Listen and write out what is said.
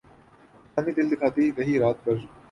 چاندنی دل دکھاتی رہی رات بھر